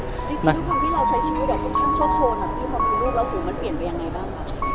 ทุกคนที่เราใช้ชีวิตแบบตรงข้างโชคโชนที่ความคุณลูกแล้วคุณมันเปลี่ยนไปยังไงบ้าง